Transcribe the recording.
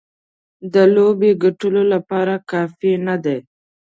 د لوبې ګټلو لپاره کافي نه دي.